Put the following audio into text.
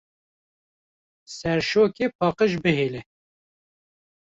Serşokê paqij bihêle!